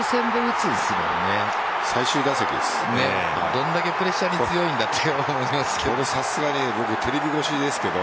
どんだけプレッシャーに強いんだって思いますけど。